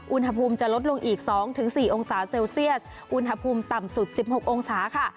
อุณหภูมิจะลดลงอีก๒๔องศาเซลเซียสอุณหภูมิต่ำสุด๑๖องศาค่ะ